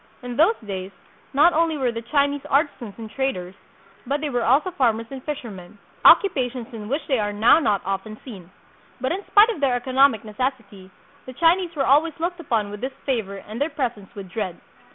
In those days, not only were the Chinese artisans and traders, but they were also farmers and fishermen, occupations in which they are now not often seen. But in spite of their economic neces sity, the Chinese were always looked upon with disfavor and their presence with dread.